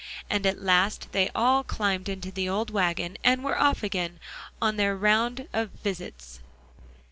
And at last they all climbed into the old wagon, and were off again on their round of visits.